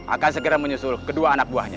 akan segera menyusul kedua anak buahnya